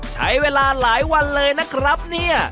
ใช้เวลาหลายวันเลยนะครับเนี่ย